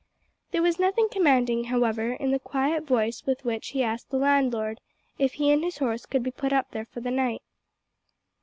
There was nothing commanding, however, in the quiet voice with which he asked the landlord if he and his horse could be put up there for the night.